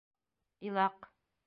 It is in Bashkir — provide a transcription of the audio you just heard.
ИЛАҠ